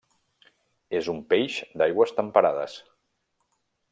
És un peix d'aigües temperades.